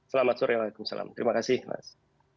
selamat sore waalaikumsalam terima kasih mas